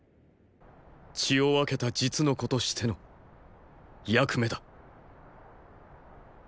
血を分けた実の子としての役目だ。